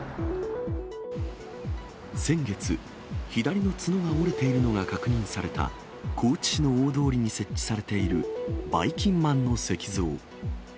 先月、左の角が折れているのが確認された、高知市の大通りに設置されているばいきんまんの石像。